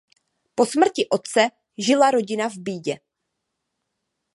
Po smrti otce žila rodina v bídě.